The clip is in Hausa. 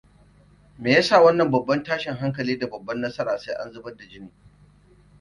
Me yasa wannan babban tashin hankali da babbar nasara sai an zubar da jini?